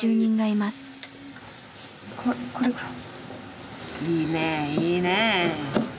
いいねいいね。